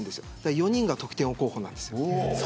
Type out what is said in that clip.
４人が得点王候補にいます。